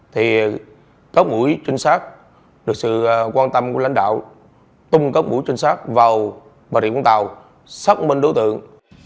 thì cấp mũi trinh sát được sự quan tâm của lãnh đạo tung cấp mũi trinh sát vào bà rịa vũng tàu xác minh đấu tượng